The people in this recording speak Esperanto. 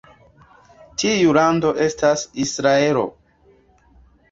Tiu lando estas Israelo.